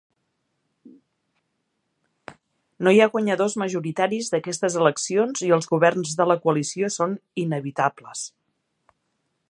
No hi ha guanyadors majoritaris d'aquestes eleccions i els governs de la coalició són inevitables.